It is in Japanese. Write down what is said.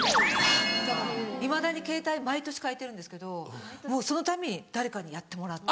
だからいまだにケータイ毎年変えてるんですけどもうそのたんびに誰かにやってもらって。